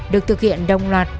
được thực hiện đồng loạt